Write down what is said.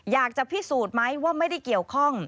อยากจะพิสูจน์ไหมว่าไม่ได้เกี่ยวข้อง